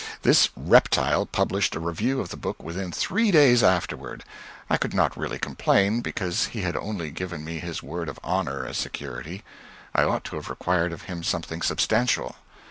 This reptile published a review of the book within three days afterward. I could not really complain, because he had only given me his word of honor as security; I ought to have required of him something substantial.